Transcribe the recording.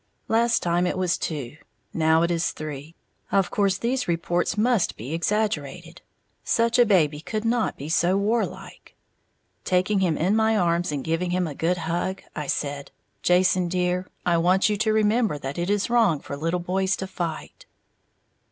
Last time it was two, now it is three. Of course these reports must be exaggerated, such a baby could not be so warlike. Taking him in my arms and giving him a good hug, I said, "Jason, dear, I want you to remember that it is wrong for little boys to fight."